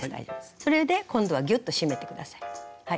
それで今度はギュッと締めて下さい。